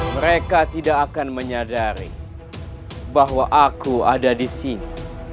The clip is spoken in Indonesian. mereka tidak akan menyadari bahwa aku ada di sini